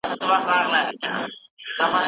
دا نوی کتاب د تفریح په اړه ډېر معلومات لري.